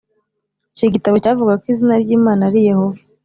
Icyo gitabo cyavugaga ko izina ry Imana ari Yehova